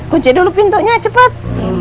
kunci dulu pintunya cepet